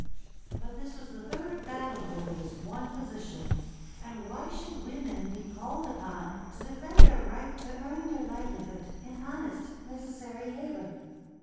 But this was the third battle over this one position; and why should women be called upon to defend their right to earn their livelihood in honest, necessary labour?